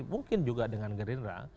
mungkin juga dengan gerindra